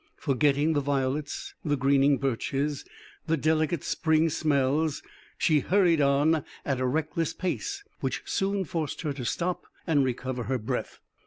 Forgetting the violets, the greening birches, the delicate spring smells, she hurried on at a reckless pace which soon forced her to stop and recover her breath.